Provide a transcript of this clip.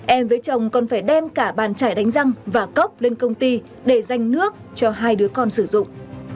em với chồng còn phải đem cả bàn chải đánh răng và cốc lên công ty để danh nước cho hai đứa con sử dụng